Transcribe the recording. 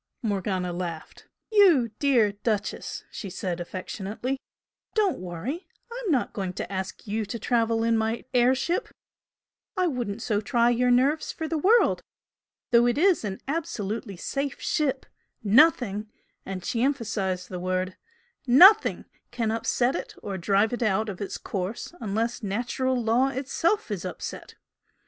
Morgana laughed. "You dear Duchess!" she said, affectionately "Don't worry! I'm not going to ask you to travel in my air ship I wouldn't so try your nerves for the world! Though it is an absolutely safe ship, nothing" and she emphasised the word "NOTHING can upset it or drive it out of its course unless natural law is itself upset!